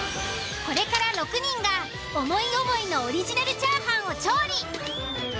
これから６人が思い思いのオリジナルチャーハンを調理。